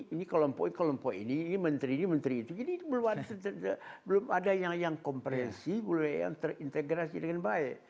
ini kelompok ini kelompok ini menteri ini menteri ini menteri ini belum ada yang komprehensi belum ada yang terintegrasi dengan baik